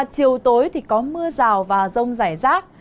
chiều tối có mưa rào và rông rải rác